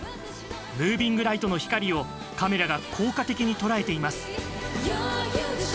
ムービングライトの光をカメラが効果的に捉えています。